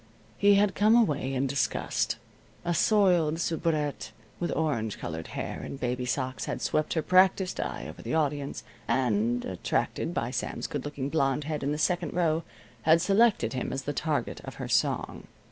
He had come away in disgust. A soiled soubrette with orange colored hair and baby socks had swept her practiced eye over the audience, and, attracted by Sam's good looking blond head in the second row, had selected him as the target of her song.